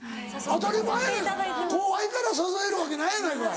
当たり前や後輩から誘えるわけないやないかい。